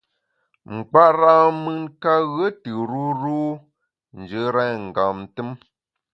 Nkpara’ mùn ka ghue tù ruru njù rèn ngam tùm.